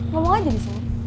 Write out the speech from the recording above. ngomong aja disini